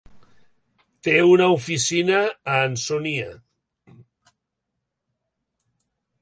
Té una oficina a Ansonia.